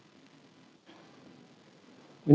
sudara saksi ya